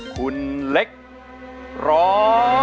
คุณเล็กร้อง